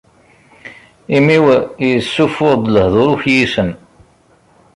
Imi-w issufuɣ-d lehdur ukyisen.